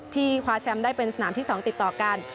คว้าแชมป์ได้เป็นสนามที่๒ติดต่อกัน